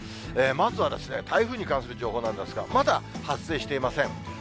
まずは台風に関する情報なんですが、まだ発生していません。